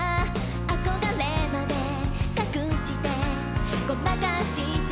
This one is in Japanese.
「憧れまで隠してごまかしちゃうほど」